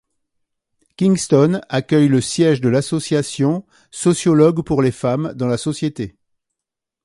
Kingston accueille le siège de l'association Sociologues pour les femmes dans la société.